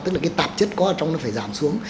tức là cái tạp chất có ở trong nó phải giảm xuống